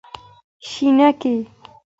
شينکۍ